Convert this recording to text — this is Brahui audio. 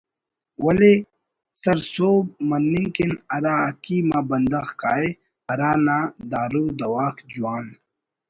ءِ ولے سرسہب مننگ کن ہرا حکیم آ بندغ کاہے ہرا نا دارو دواک جوان